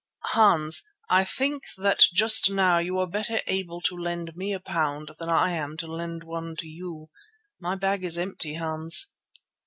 "Hans, I think that just now you are better able to lend me a pound than I am to lend one to you. My bag is empty, Hans."